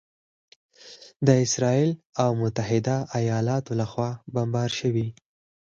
د اسراییل او متحده ایالاتو لخوا بمبار شوي